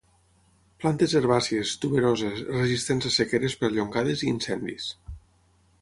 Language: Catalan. Plantes herbàcies, tuberoses, resistents a sequeres perllongades i incendis.